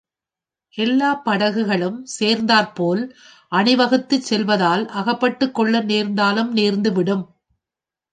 எல்லாப் படகுகளும் சேர்ந்தார்போல் அணிவகுத்துச் செல்வதால் அகப்பட்டுக் கொள்ள நேர்ந்தாலும் நேர்ந்துவிடும்.